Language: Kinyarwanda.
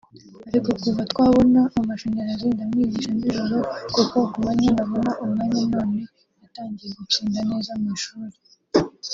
Ariko kuva twabona amashanyarazi ndamwigisha nijoro kuko kumanywa ntabona umwanya none yatangiye gutsinda neza mwishuri »